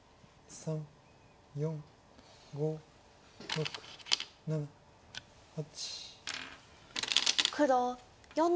３４５６７８。